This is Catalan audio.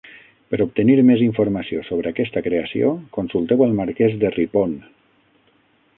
Per obtenir més informació sobre aquesta creació, consulteu el marquès de Ripon.